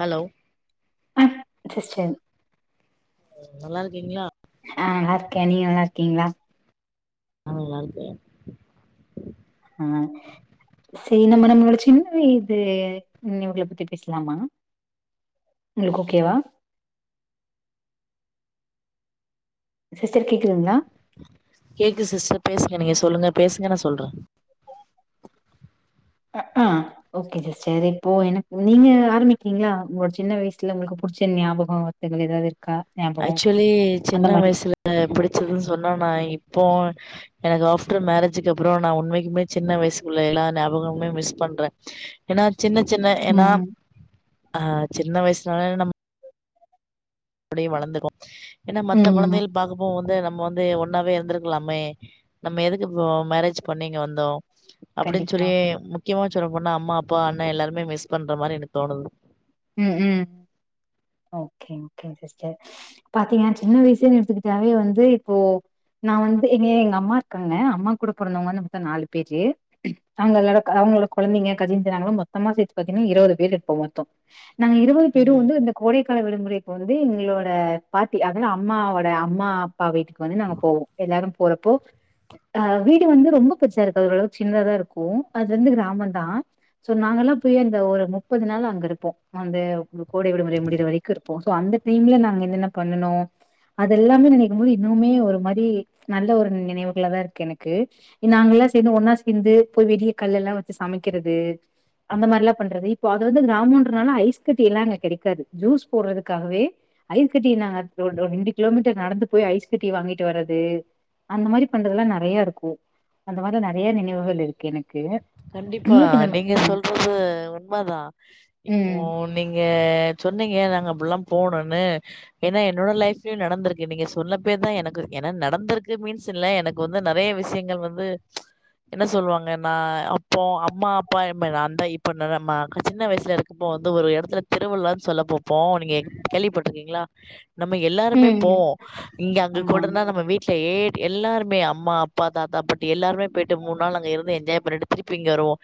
Hello ஆ just இன் நல்லாருக்கீங்ளா ஆ நல்லாருக்கே நீங்க நல்லாருக்கீங்ளா ஆ நல்லாருக்கே ஆ செ நம்ம நம்மளோட சின்ன இது நினைவுகள பத்தி பேசலாமா உங்களுக்கு ஓகேவா சிஸ்டர் கேக்குதுங்ளா கேக்கு சிஸ்டர் பேசுங்க நீங்க சொல்லுங்க பேசுங்க நா சொல்ற [unintelligible] ஓகே சிஸ்டர் இப்போ எனக் நீங்க ஆரம்பிக்றீங்ளா உங்களோட சின்ன வயசுல உங்களுக்கு புடிச்ச ஞாபகோ எதுன் எதாவதிருக் கா ஆ ஆக்சுவலி சின்ன வயசுல ம் பிடிச்சதுன் சொன்னா நா இப்போ எனக்கு ஆஃப்டர் மேரேஜிக்கப்பறோ நா உண்மைக்குமே சின்ன வயசுக்குள்ள எல்லா ஞாபகமுமே மிஸ் பண்றே ஏனா சின்ன சின்ன ஏனா ம் ஆ சின்ன வயசுலலா நம் அப்பிடியே வளந்துக்கோ ஏனா மத்த ம் கொழந்தைகள் பாக்கப்போ வந்து நம்ம வந்த் து ஒன்னாவே இருந்துருக்லாமே நம்ம எதுக்கு இப்போ மேரேஜ் பண்ணி இங்க வந்தோ அப்பிடின் கண்டிப்பா சொல்லி முக்யமா சொல்ல போனா அம்மா அப்பா அண்ணா எல்லாரையுமே மிஸ் பண்ற மாரி எனக் தோணுது ம் ம் ஓகே ஓகேங் சிஸ்டர் பாத்தீங்னா சின்ன வயசுன் எடுத்துக்கிட்டாவே வந்து இப்போ நா வந்து எங்க எங்க அம்மா இருக்காங்க அம்மா கூட பொறந்தவங்கனு பாத்தா நாலு பேரு நாங்க அதோட க அவங்களோட கொழந்தைங்க கசின்சு நாங்களா மொத்தமா சேத்து பாத்தீங்னா இருவது பேர் இருப்போ மொத்தோ நாங்க இருவது பேரு ம் வந்து அந்த கோடைக்கால விடுமுறைக்கு வந்து எங்ளோட பாட்டி அதுனா அம்மாவோட அம்மா அப்பா வீட்டுக்கு வந்து நாங்க போவோ எல்லாரு போறப்போ ஆ வீடு வந்து ரொம்ப பெருசா இருக்காது ஓரளவுக் சின்னதா இருக்கு அது வந்து கிராமொந்தா சோ நாங்கல்லா போயி அந்த ஒரு முப்பது நாள் அங்க இருப்போ அந்த கோடை விடுமுறை முடியிற வரைக்கு இரு போ சோ அந்த டைம்ல நாங்க என்னென்ன பண்ணுனோ அதெல்லாமே நெனைக்கும் போது இன்னுவுமே ஒரு மாரி நல்ல ஒரு நி நினைவுகளாதா இருக்கு எனக்கு எ நாங்கல்லா சேந்து ஒன்னா சேந்து போய் வெளிய கல்லெல்லா வச்சு சமைக்கிறது அந்த மாரிலா பண்றது இப்போ அது வந்து கிராமோன்ற துனால ஐஸ் கட்டி எல்லா அங்க கெடைக்காது ஜூஸ் போடுறதுக்காகவே ஐஸ் கட்டிய நாங்க ரோடோ ரெண்டு கிலோமீட்டர் நடந்து போய் ஐஸ் கட்டிய வாங்கிட்டு வரது அந்த மாரி பண்றதுலா நெறையாருக்கு அந்த மாரிலா நெறையா நினைவுகள் இருக்கு எனக்கு கண்டிப்பா உங்களுக்கு இந்த மாரி நீங்க ஆ சொல்றத் து உண்மதா இப்போ ம் நீங்க சொன்னீங்க நாங்க அப்புட்லாம் போகனுன்னு ஏனா என்னோட லைஃப்லையு நடந்துருக்கு நீங்க சொல்லப்பெய்தா எனக்கு என நடந்துருக்கு மீன்ஸ் இல்ல எனக் கு வந்து நெறைய விஷயங்கள் வந்து என்ன சொல்வாங்க நா அப் போ அம்மா அப்பாயெம்ப நாந்தா இப்ப நம்ம க சின்ன வயசுல இருக்கப்போ வந்து ஒரு எடத்துல திருவிழ்லான் சொல்ல பாப்போ நீங்க கேள்விப்பட்ருக்கீங்ளா நம்ம எல்லாருமே ம் போவோ இங்க அங்க ஆமா கூடருந்தா நம்ம வீட் ட்லயே எல்லாருமே அம்மா அப்பா தாத்தா பாட்டு எல்லாருமே போயிட்டு மூண் நாள் அங்க இருந்து என்ஜாய் பண்ணிட்டு திருப்பி இங்க வருவோ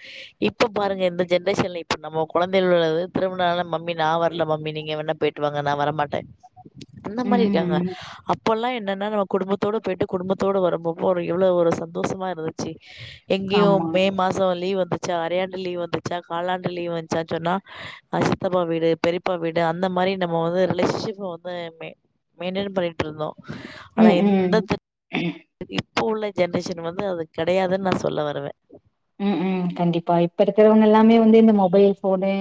இப்ப பாருங்க இந்த ஜென்ரேஷன்ல இப்ப நம்ம கொழந்தைகள் உள்ளது திருவினாழ்னா மம்மி நா வரல மம்மி நீங்க வேணா போயிட் திட்டுவாங்க நா வர மாட்டே அந்த ம் மாரி இருக்காங்க ம். அப்போல்லா என்னன்னா நம்ம குடும்பத்தோட போயிட்டு குடும்பத்தோட வரப்போ ஒரு எவ்வளவு ஒரு சந்தோஷமா இருந்துச்சு ஆமா எங்கயும் மாசோ லீவ் வந்துச்சா அறையாண்டு லீவ் வந்துச்சா காலாண்டு லீவ் வந்துச்சா சொன்னா அது சித்தப்பா வீடு பெரியப்பா வீடு அந்த மாரி நம்ம வந்து ரிலேஷன்ஷிப்ப வந்து மெயின்டென் பண்ணிட்டு இருந்தோ ஆனா ம் ம் எந்த த இப்ப உள்ள ஜென்ரேஷன் வந்து அது கெடையாதுன்னு நா சொல்ல வருவே ம் உம் கண்டிப்பா இப்ப இருக்கிறவங்க எல்லாமே வந்து இந்த மொபைல் போனு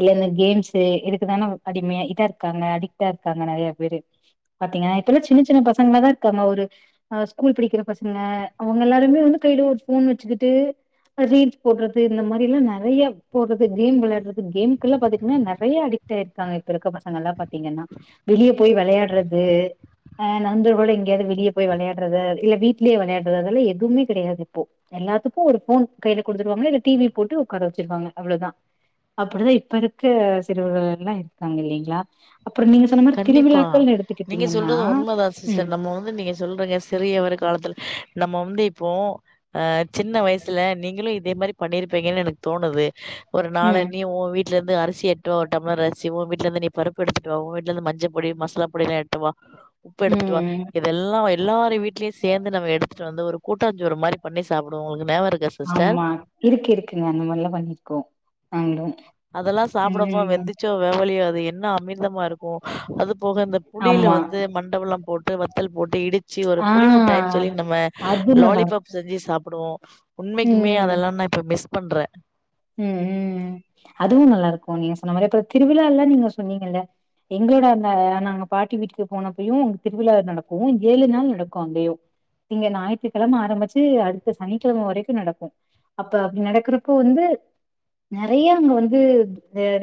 இல்ல இந்த கேம்ஸ் இதுக்குதானே அடிமையா இதா இருக்காங்க அடிக்ட்டா இருக்காங்க நெறைய பேரு பாத்தீங்கன்னா இப்பல்லா சின்ன சின்ன பசங்கள தா இருக்காங்க ஒரு அ ஸ்கூல் படிக்கிற பசங்க அவங்க எல்லாருமே வந்து கையில ஒரு போன் வச்சுக்கிட்டு ரீல்ஸ் போடுறது இந்த மாரி எல்லா நெறையா போடுறது கேம் விளையாடுறது கேமுக்கு எல்லா பாத்தீங்கன்னா நெறையா அடி டாய் இருக்காங்க இப்ப இருக்க பசங்களா பாத்தீங்கன்னா வெளியே போய் வெளையாடுறது ஆ நண்பர்ளோடு எங்கேயாவது வெளிய போய் வெளையாடுறது இல்ல வீட்டுலேயே விளையாடுறதுயெல்லாம் எதுமே கெடையாது இப்போ எல்லாத்துக்கு ஒரு போன் கையில கொடுத்துருவாங்களா இல்ல டி வி போட்டு உட்கார வச்சருவாங்க அவ்வளவுதா அப்படிதா இப்ப இருக்குர சிறுவர்கள் எல்லா இருக்காங்க இல்லைங்களா அப்புறோ நீங்க சொன்ன மாரி கண்டிப்பா திருவிழாக்கள்னு நீங்க எடுத்துக்கிட்டீங்கன்னா சொல்றது உண்மைதா ம் சிஸ்டர் நம்ம வந்து நீங்க சொல்றங்க சிறிய ஒரு காலத்துல நம்ம வந்து இப்போ ஆ சின்ன வயசுல நீங்களு இதே மாரி பண்ணிருப்பீங்கன்னு எனக்கு தோணுது ஒரு நாளு ம் நீ உ வீட்டுல இருந்து அரிசி எட்டுவா ஒரு டம்ளர் அரிசி உ வீட்டுல இருந்து நீ பருப்பு எடுத்துட்டு வா ஊ வீட் இருந்து மஞ்சள் பொடி மசாலா பொடி எல்லா எடுத்துட்டுவா உப்பு எடுத்துட்டு வா ம் இதெல்லா எல்லாரு வீட்டுலையு சேர்ந்து நம்ம எத்துட்டு வந்து ஒரு கூட்டாஞ் சோறுமாரி பண்ணி சாப்புடுவோ உங்களுக்கு ஞாபகோ இருக்கா சிஸ்டர் ஆமா இருக்கு இருக்குங்க அந்த மாரில்லா பண்ணிருக்கோ நாங்களு அதெல்லா சாப்பிடப்போ ம் வெந்துச்சோ வேவலையோ அது என்னா அமிர்தமா இருக்கு கு அது போக இந்த புளில ஆமா வந்து மண்டவெல்லம் போட்டு வத்தல் போட்டு இடி ச்சு ஒரு ஆ புளி முட்டாய்ன்னு சொல்லி நம்ம அது நல்லாருக்கு லாலிபாப் செஞ்சு சாப்பிடுவோ உண்மைக்குமே ம் அதெல்லா நா இப்போ மிஸ் பண்றே உம் உம் அதுவு நல்லா இருக்கு நீங்க சொன்ன மாரி அப்புறோ திருவிழால்லா நீங்க சொன்னீங்கல்ல எங்களோட அந்த நாங்க பாட்டி வீட்டுக்கு போனப்பயு அங்க திருவிழா நடக்கு ஏழு நாள் நடக்கு அங்கயு இங்க ஞாயித்துக்கிழம ஆரம்பிச்சு அடுத்த சனிக்கிழம வரைக்கு நடக்கு அப்ப அப்டி நடக்கிறப்போ வந்து நெறயா அங்க வந்து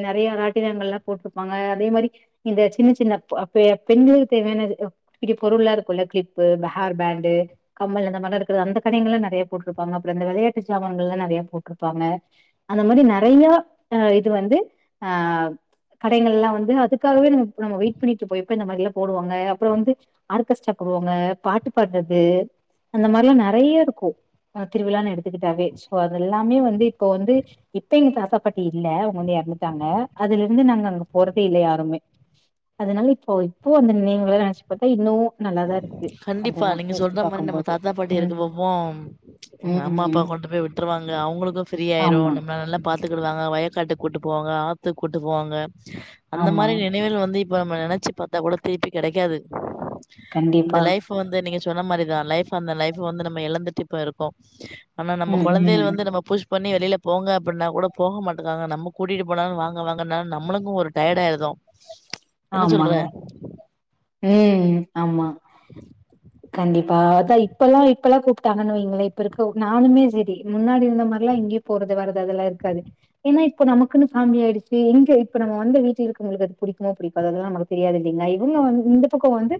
நெறய ராட்டினங்கள் எல்லா போட்ருப்பாங்க அதே மாரி இந்த சின்ன சின்ன அப் அப்ப பெண்களுக்கு தேவையான இது இப்படி பொருள்ளல்லா இருக்குள்ள கிளிப்பு அந்த ஹேர் பேண்டு கம்மல் அந்த மாதிரிலா இருக்குறது அந்த கடைங்கல்லா நெறையா போட்டிருப்பாங்க அப்புறோ இந்த வெளையாட்டு சாமண்கள் எல்லா நெறையா போட்டிருப்பாங்க அந்த மாரி நெறையா இது வந்து ஆ கடைங்கள்லா வந்து அதுக்காகவே நம்ம நம்ம வெயிட் பண்ணிட்டுருப்போ எப்போ இந்த மாதிரி எல்லா போடுவாங்க அப்புறோ வந்து ஆர்கெஸ்ட்ரா போடுவாங்க பாட்டு பாடுறது அந்த மாரி எல்லா நெறையா இருக்கு திருவிழான்னு எடுத்துக்கிட்டாவே சோ அது எல்லாமே வந்து இப்போ வந்து இப்ப எங்க தாத்தா பாட்டி இல்ல அவங்க வந்து எறந்துட்டாங்க அதுல இருந்து நாங்க அங்க போறதே இல்ல யாருமே அதனால இப்போ இப்போ அந்த நினைவுகள நெனச்சு பாத்தா இன்னு நல்லாதா இருக்கு கண்டிப்பா அதெல்லா நீங்க யோசிச்சு சொல்ற மாரி நம்ம பாக்கும்போது தாத்தா பாட்டி ம் இருக்கு போப்போம் அம்மா அப்பா ம் கொண்டு போயி விட்டுருவாங்க அவங்களுக்கு ஃப்ரீயிரு ஆமா நம்மள நல்லா பாத்துக்கிடுவாங்க வயக்காட்டு கூப்பிட்டு போவாங்க ஆத்து கூட்டு போவாங்க அந்த ஆமா மாரி நினைவுகள் வந்து இப்ப நம் நெனச்சி பாத்தா கூட திருப்பி கெடைக்காது இந்த கண்டிப்பா லைஃப் வந்து நீங்க சொன்ன மாரிதா லைஃப் அந்த லைஃப் வந்து நம்ம எழந்துட்டு இப்போ இருக்கோ ஆனா நம்ம ம் கொழந்தைகள ம் வந்து நம்ம புஷ் பண்ணி வெளில போங்க அப்பிட்னா கூட போக மாட்டுக்காங்க நம்ம கூட்டிட்டு போனாலு வாங்க வாங்கனாலு நம்மளுக்கு ஒரு டயட் ஆயிர்தோ ஆமாங்க ம் ஆமா கண்டிப்பா அதா இப்பெல்லா இப்பெல்லா கூப்ட்டாங்கன் வெய்ங்களே இப்ப இருக்க நானுமே செரி முன்னாடி இர்ந்த மாரிலா இங்கயு போறது வரது அதெல்லா இருக்காது ஏனா இப்ப நமக்குனு ஃபேமிலி ஆய்டுச்சு எங்க இப்ப நம்ம வந்து வீட்ல இருக்றவுங்களுக்கு அது புடிக்குமோ புடிக்காதோ அதுல்லா நமக்கு தெரியாது இல்லீங்களா இவுங்க வந் இந்த பக்கோ வந்து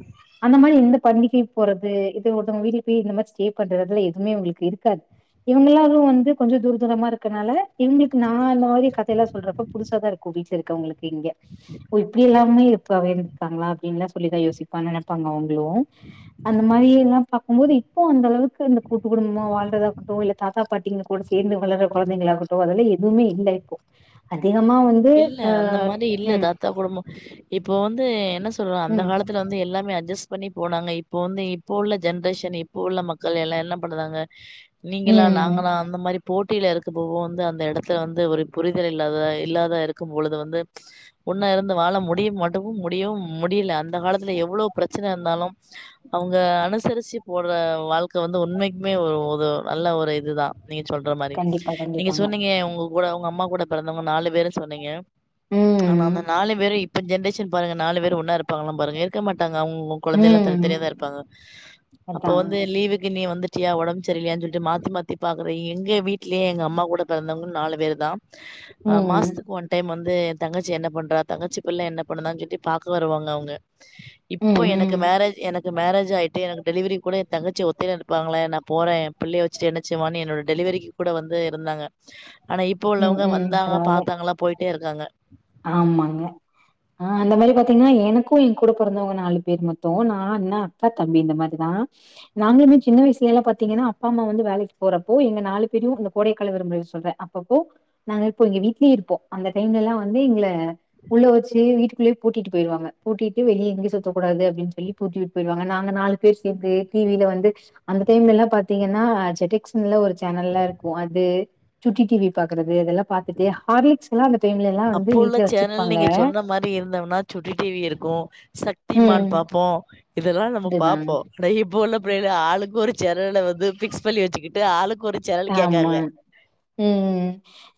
அந்த மாரி எந்த பண்டிகை போறது இது ஒருத்தங்க வீட்ல போய் இந்த மாரி ஸ்டே பண்றது அதெல்லா எதுமே அவுங்களுக்கு இருக்காது இவுங்க எல்லாரு வந்து கொஞ்ச தூர தூரமா இருக்கற்னால இவுங்ளுக்கு நா அந் மாரி கதயெல்லா சொல்றப்போ புதுச தா இருக்கு வீட்ல இருக்கறவுங்ளுக்கு இங்க ஓ இப்டி எல்லாமே இருப்பாவே இருக்காங்ளா அப்டின்லா சொல்லிதா யோசிப்பா நெனப்பாங்க அவுங்ளு அந்த மாரி எல்லா பாக்கும்போது இப்போ அந்தளவுக்கு இந்த கூட்டு குடும்பமா வாழ்றதாகட்டு இல்ல தாத்தா பாட்டிங்க கூட சேந்து வளர்ர கொழந்தைங்களாகட்டு அதெல்லா எதுவ்மே இல்ல இப்போ அதிகமா வந் து ஆ ம் த குடும்போ இப்போ வந்து என்ன சொல்றோ அந்த ம் காலத்துல வந்து எல்லாமே அட்ஜஸ் பண்ணி போனாங்க இப்போ வந்து இப்போ உள்ள ஜென்ரேஷன் இப்போ உள்ள மக்கள் எல்லா என்ன பண்ணுதாங்க நீங்களா ம் நாங்களா அந்த மாரி போட்டில இருக்கப்போ வந்து அந்த எடத்துல வந்து ஒரு புரிதல் இல்லாத இல்லா த இருக்கு பொழுது வந்து ஒன்ன இருந்து வாழ முடியு மாட்டக்கு முடியவு முடில அந்த காலத்துல எவ்ளோ பிரச்சன இர்ந்தாலும் அவுங்க அனுசரிச்சு போற வாழ்க்க வந்து உண்மைக்மே ஒ ஒது நல்ல ஒரு இதுதா நீங்க சொல்ற மாரி கண்டிப்பா நீங்க கண்டிப்பாங்க. சொன்னீங்க உங்க கூட உங்க அம்மா கூட பிறந்தவங்க நாலு பேருன் சொன்னீங்க ஆனா ம் அந்த நாலு பேரு இப்ப ஜென்ரேஷன் பாருங்க நாலு பேரு ஒன்னா இருப்பாங்களா பாருங்க இருக்க மாட்டாங்க அவுங்க கொழந்தைலா ம் தனித்தனியா தா இருப்பாங்க அப்போ அதாங்க. வந்து லீவுக்கு நீ வந்துட் டியா ஒடம் செரியில்லையான் சொல்ட்டு மாத்தி மாத்தி பாக்கற எங்க வீட்லே எங்கம்மா கூட பிறந்தவ்ங்க நாலு பேரு தா ஆ ம் மாஸ்த்துக் ஒன் டைம் வந்து எந்தங்கச்சி என்ன பண்றா தங்கச்சி பிள்ள என்ன பண்ணுதான் சொல்ட்டு பாக்க வருவாங்க அவ்ங்க இப்போ ம் எனக்கு ம் மேரேஜ் எனக் கு மேரேஜ் ஆய்ட்டு எனக்கு டெலிவரிக்கூட எந்தங்கச்சி ஒத்தைல நிப்பாங்களே நா போறே எம்பிள்ளைய வெச்சுட்டு என்ன செய்வான் என்னோட டெலிவரிக்கு கூட வந்து இருந்தாங்க ஆனா இப்ப ம் உள்ளவங்க ம் வந்தாங்க பரவால்ல பாத்தாங்களா போய்ட்டே இருக்காங்க ஆமாங்க ஆ அந்த மாரி பாத்தீங்ன்னா எனக்கு எங்கூட பொறந்தவ்ங்க நாலு பேர் மொத்தோ நா, அண்ண, அக்கா, தம்பி இந்த மாரிதா நாங்களுமே சின்ன வய்சுலேல்லா பாத்தீங்கன்னா அப்பா அம்மா வந்து வேலைக்கு போறப்போ எங்க நாலு பேர்யு அந்த கோடைக்கால விடுமுறைல சொல்றே அப் பப்போ நாங்க இருப்போ எங்க வீட்லே இருப்போ அந்த டைம்லல்லா வந்து எங்கள உள்ள வச்சு வீட்டுக்குள்ளயே பூட்டிட்டு போய்ருவாங்க பூட்டிட்டு வெளிய எங்கயு சுத்தக்கூடாது அப்டின் சொல்லி பூட்டி வுட் போய்ருவாங்க நாங்க நாலு பேர் சேந்து டி வி ல வந்து அந்த டைம்லல்லா பாத்தீங்கன்னா ஜெட்டக்ஸ்னுல்லா ஒரு சேனல்லா இருக்கு அது சுட்டி டி வி பாக்கறது அதெல்லா பாத்துட்டு ஹார்லிக்ஸ் எல்லா அந்த டைம்லா எல்லா வந் இப்போ உள்ள சேனல் நீங்க சொன்ன மாரி இருந்தம்னா சுட்ட டி வி இருக்கு சக்திமான் ம். பாப் போ இதெல்லா நம்ம அதுதான் பாப்போ அட இப்ப உள்ள பிள்ளைகலா ஆளுக்கு ஒரு சேனல வந்து ஃபிக்ஸ் பண்ணி வெச்சுக்கிட்டு ஆளுக்கொரு ஆமா ம் ம்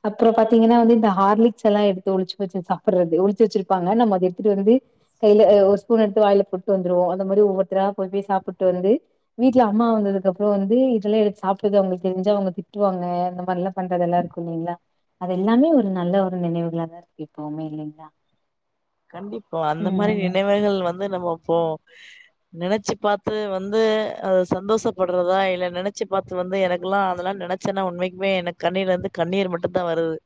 அப்றோ பாத்தீங்கன்னா வந்து இந்த ஹார்லிக்ஸ் எல்லா எடுத்து ஒளிச்சு வெச்சு சாப்பட்றது ஒளிச்சு வெச்சிருப்பாங்க நம்ம அத எடுத்துட்டு வந்து கைல ஒரு ஸ்பூன் எடுத்து வாய்ல போட்டு வந்துருவோ அந்த மாரி ஒவ்வொர்த்தரா போய் போய் சாப்புட்டு வந்து வீட்ல அம்மா வந்ததுக்கப்றோ வந்து இதெல்லா எடுத் சாப்ட்டது அவுங்கள்க் தெரிஞ்சா அவேங்க திட்டுவாங்க அந்த மாரி எனனல்லா பண்றதெல்லா இருக்கு இல்லிங்ளா அதெல்லாமே ஒரு நல்ல ஒரு நினைவுகளாதா இருக்கு எப்பவுமே இல்லீங்ளா கண்டிப்பா அந்த மாரி ம் நினைவுகள் வந்து நம்ம இப்போ நினச்சு பாத்து வந்து அத சந்தோஷப்படுறதா இல்ல நினச்சு பாத்து வந்து எனக்குலா அதெல்லா நினச் சன்னா உண்மைக்குமே எனக் கண்ணிலந்து கண்ணீர் மட்டுந்தா வருது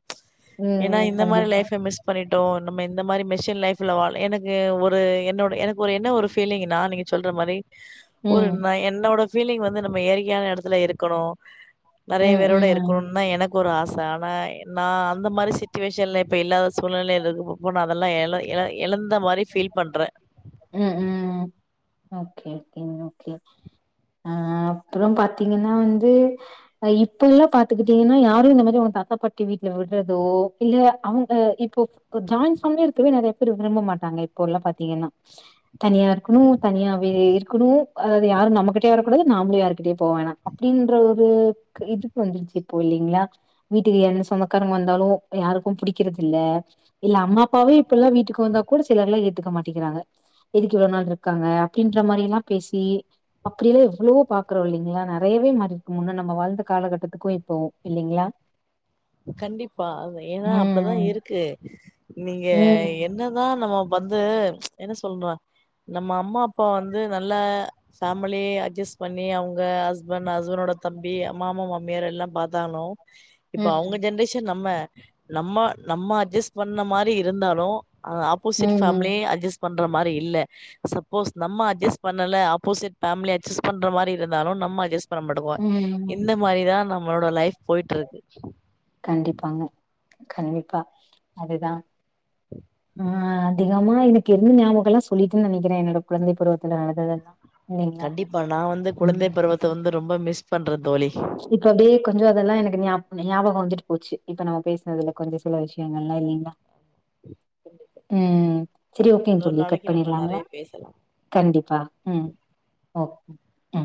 ஏன்னா ம் இந்த மாரி கண்டிப்பா லைஃப மிஸ் பண்ணிட்டோ நம்ம இந்த மாரி மிஸ் டு லைஃப்ல வா எனக்கு ஒரு என்னோட எனக்கு ஒரு என்ன ஒரு ஃபீலிங்கினா நீங்க சொல்ற மாரி ஒரு ம் ந என்னோட ஃபீலிங் வந்து நம்ம இயற்கையான எடத்துல இருக்கணு நறைய ம் பேரோட ம் இருக்கணுன்தா எனக்கொரு ஆச ஆனா நா அந்த மாரி சிட்டுவேஷன்ல இப்ப இல்லாத சூழ்நிலையில் இருக்குறப்போ நா அதெல்லா எல்லா எ எழந்த மாரி ஃபீல் பண்றே ம் ம் ஓகே ஓகேங் ஓகே அ அப்பறம் பாத்தீங்கன்னா வந்து ஆ இப்போ எல்லா பாத்துக்கிட்டீங்கன்னா யாரு இந்த மாரி அவுங்க தாத்தா பாட்டி வீட்ல விட்றதோ இல்ல அவுங்க இப்போ இப்ப ஜாயின் ஃபேம்லியா இருக்கவே நெறைய பேர் விரும்ப மாட்டாங்க இப்போல்லா பாத்தீங்கன்னா தனியா இருக்கணு தனியாவே இருக்கணு அது யாரு நம்மகிட்டயே வரக்கூடாது நாமளு யாரு கிட்டயு போவேணா அப்டின்ற ஒரு இதுக்கு வந்துருச்சு இப்போ இல்லீங்ளா வீட்டுக்கு யார்னா சொந்தக்காரங்க வந்தாலு யாருக்க புடிக்கிறதில்ல இல்ல அம்மா அப்பாவே இப்பல்லா வீட்டுக்கு வந்தா கூட சிலர்லா ஏத்துக்க மாட்டிக்கிறாங்க எதுக்கு இவ்ள நாள்ட்ருக்காங்க அப்படின்ற மாரில்லா பேசி அப்படியெல்லா எவ்வளவோ பாக்குறோ இல்லிங்ளா நெறையவே மாறிருக்கு முன்ன நம்ம வாழ்ந்த காலகட்டத்துக்கு இப்போ இல்லீங்ளா கண்டிப்பா அதா ஏனா அப்டிதா ம் இருக்கு நீங்க ம் என்னதா நம்ம வந்து என்ன சொல்ற நம்ம அம்மா அப்பா வந்து நல்ல ஃபேமிலி அட்ஜஸ் பண்ணி அவுங்க ஹஸ்பண் ஹஸ்பண்டோட தம்பி மாமா மாமியார் எல்லா பாத்தாலு இப்போ அவுங்க ம் ஜென்ரேஷன் நம்ம நம்ம நம்ம அட்ஜஸ் பண்ண மாரி இருந்தாலு அ ஆப்போசிட் ஃபேமிலி ம் அட்ஜஸ் பண்ற மாரி இல்ல சப்போஸ் நம்ம அஜ்ஜஸ் பண்ணல ஆப்போசிட் ஃபேம்லி அட்ஜஸ் பண்ற மாரி இருந்தாலு நம்ம அஜஸ் பண்ண மாட்டுக்குவ ம் இந்த மாரிதா நம்மளோட லைஃப் போயிட்டுருக்கு கண்டிப்பாங்க கண்டிப்பா அதுதா ஆ அதிகமா எனக்கு இருந்த ஞாபகல்லா சொல்லிட்டுன் நெனைக்கிறேன் என்னோட குழந்தை பருவத்துல நடந்ததெல்லா இல்லைங்களா கண்டிப்பா நா வந்து குழந்தை ம் பருவத்த வந்து ரொம்ப மிஸ் பண்ற தோழி இப்ப அப்டே கொஞ்ச அதெல்லா எனக்கு ஞாப் ஞாபகோ வந்துட்டு போச்சு இப்ப நம்ம பேசுனதுல கொஞ்ச சில விஷயங்கள்லா இல்லீங்ளா ம் செரி ஓகேங் இன்னொரு தோழி கட் நாளைக்கு நம்ம பண்ணிட்லாங்ளா நெறைய பேசலா கண்டிப்பா ம் ஓகே ஆ.